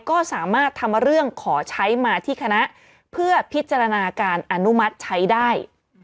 ก็สามารถทำเรื่องขอใช้มาที่คณะเพื่อพิจารณาการอนุมัติใช้ได้